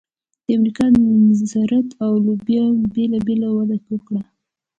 د امریکا ذرت او لوبیا بېله بېله وده وکړه.